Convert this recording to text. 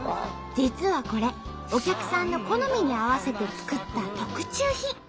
実はこれお客さんの好みに合わせて作った特注品。